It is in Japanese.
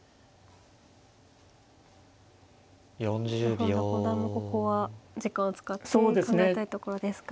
本田五段もここは時間を使って考えたいところですか。